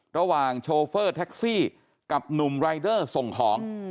ระหว่างโชเฟอร์แท็กซี่กับหนุ่มไรเดอร์ส่งของ